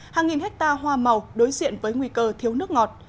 hàng nghìn hectare hoa màu đối diện với nguy cơ thiếu nước ngọt